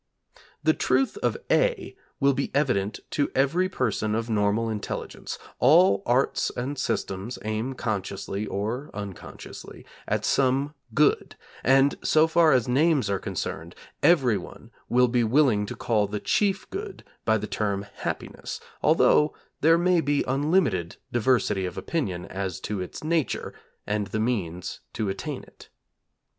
The truth of (a) will be evident to every person of normal intelligence: all arts and systems aim consciously, or unconsciously, at some good, and so far as names are concerned everyone will be willing to call the Chief Good by the term Happiness, although there may be unlimited diversity of opinion as to its nature, and the means to attain it.